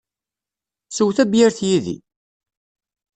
Sew tabyirt yid-i!